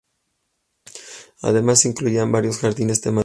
Además se incluyen varios jardines temáticos,